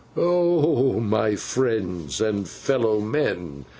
'Oh, my friends and fellow men!